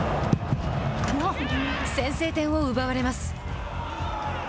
先制点を奪われます。